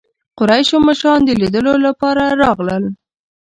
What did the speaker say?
قریشو مشران د لیدلو لپاره راغلل.